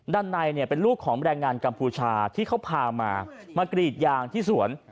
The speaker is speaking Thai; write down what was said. ด้านในเป็นลูกของแรงงานกัมพูชาที่เขาพามากรีดยางที่สวน